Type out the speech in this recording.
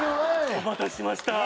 お待たせしました。